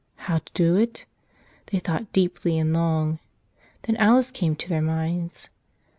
How to do it? They thought deeply and long. Then Alice came to their minds.